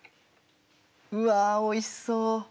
うわおいしそう。